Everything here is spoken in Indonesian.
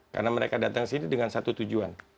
karena mereka datang sini dengan satu tujuan